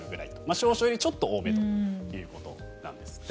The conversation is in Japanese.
少々よりちょっと多めということなんですって。